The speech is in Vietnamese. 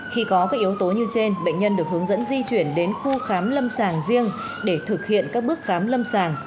khi có các yếu tố như trên bệnh nhân được hướng dẫn di chuyển đến khu khám lâm sàng riêng để thực hiện các bước khám lâm sàng